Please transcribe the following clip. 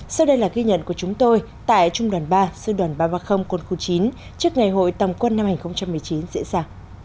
sau đây là ghi nhận của chúng tôi tại trung đoàn ba sư đoàn ba trăm ba mươi quân khu chín trước ngày hội tòng quân năm hai nghìn một mươi chín diễn ra